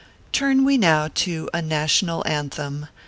Turn we now to a NATIONAL ANTHEM.